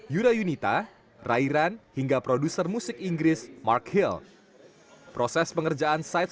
yura yunita rairan hingga produser musik inggris mark hill proses pengerjaan site